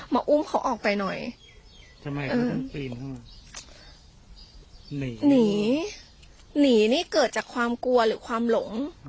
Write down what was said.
อุ้มเขาออกไปหน่อยทำไมเขาถึงปีนเข้ามาหนีหนีหนีนี่เกิดจากความกลัวหรือความหลง